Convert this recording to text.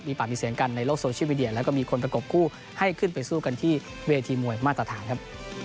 มีปากมีเสียงกันในโลกโซเชียลมีเดียแล้วก็มีคนประกบคู่ให้ขึ้นไปสู้กันที่เวทีมวยมาตรฐานครับ